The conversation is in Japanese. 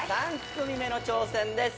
３組目の挑戦です。